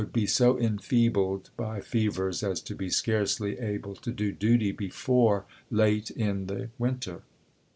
be SO enfeebled by fevers as to be scarcely able to do duty "281'.' ^' before late in the winter.